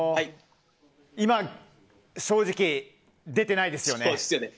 今、正直、出てないですよね。